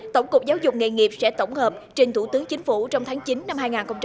tổng cục giáo dục nghề nghiệp sẽ tổng hợp trên thủ tướng chính phủ trong tháng chín năm hai nghìn một mươi chín